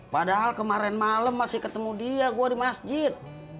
padahal kemarin malam masih ketemu dia gue di masjid